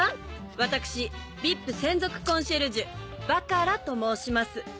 私ＶＩＰ専属コンシェルジュバカラと申します。